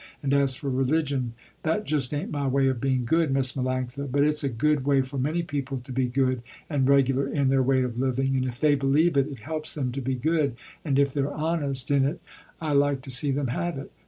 And as for religion, that just ain't my way of being good, Miss Melanctha, but it's a good way for many people to be good and regular in their way of living, and if they believe it, it helps them to be good, and if they're honest in it, I like to see them have it.